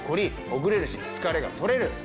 ほぐれるし疲れが取れる。